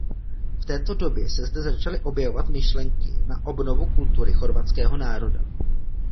V této době se zde začaly objevovat myšlenky na obnovu kultury chorvatského národa.